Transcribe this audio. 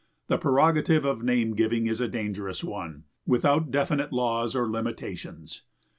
The prerogative of name giving is a dangerous one, without definite laws or limitations.